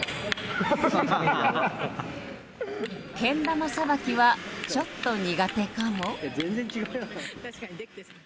けん玉さばきはちょっと苦手かも。